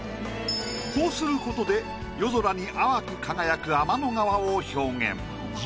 こうすることで夜空を淡く輝く天の川を表現。